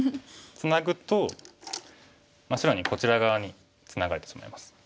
ツナぐと白にこちら側にツナがれてしまいます。